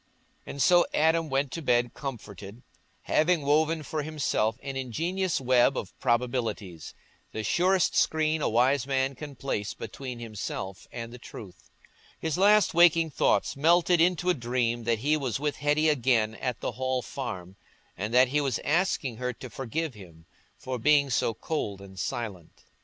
And so Adam went to bed comforted, having woven for himself an ingenious web of probabilities—the surest screen a wise man can place between himself and the truth. His last waking thoughts melted into a dream that he was with Hetty again at the Hall Farm, and that he was asking her to forgive him for being so cold and silent.